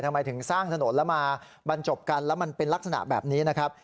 ทำไมถึงสร้างถนนแล้วมาบรรจบกันแล้วมันเป็นลักษณะแบบนี้นะครับ